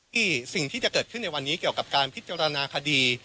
สิ่งที่จะเกิดขึ้นในวันนี้เกี่ยวกับการพิจารณาคดี